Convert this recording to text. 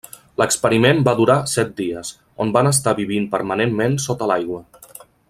L'experiment va durar set dies, on van estar vivint permanentment sota l'aigua.